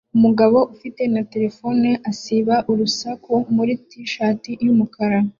Umugabo ufite na terefone isiba urusaku muri t-shirt yumukara